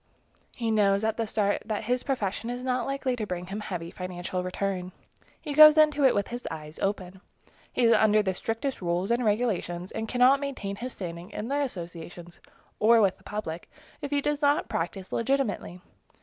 He knows at the start that his profession is not likely to bring him heavy financial return. He goes into it with his eyes open. He is under the strictest rules and regulations, and cannot maintain his standing in the associations, or with the public, if he does not practice legitimately.